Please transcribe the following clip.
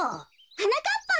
はなかっぱ。